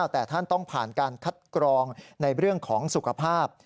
แต่ท่านต้องผ่านการคัดกรองในเรื่องของสุขภาพ